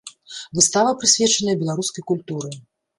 Выстава прысвечаная беларускай культуры.